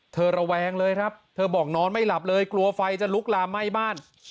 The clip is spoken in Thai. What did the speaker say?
ระแวงเลยครับเธอบอกนอนไม่หลับเลยกลัวไฟจะลุกลามไหม้บ้าน